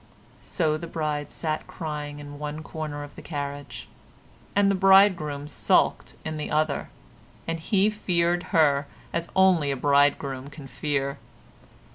So the bride sat crying in one corner of the carriage; and the bridegroom sulked in the other, and he feared her as only a bridegroom can fear.